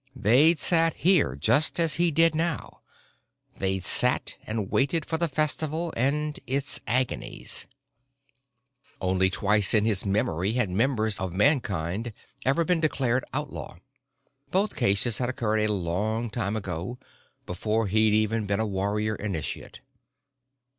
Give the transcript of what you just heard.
They'd sat here, just as he did now, they'd sat and waited for the festival and its agonies.... Only twice in his memory had members of Mankind ever been declared outlaw. Both cases had occurred a long time ago, before he'd even been a warrior initiate.